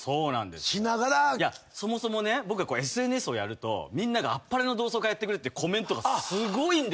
そもそもね僕がＳＮＳをやるとみんなが『あっぱれ』の同窓会やってくれってコメントがすごいんですよ。